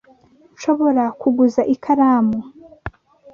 Nshobora kuguza ikaramu